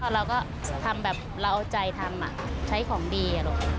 เราก็ทำแบบเราเอาใจทำใช้ของดี